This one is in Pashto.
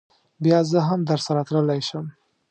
بیا زه هم درسره تللی شم.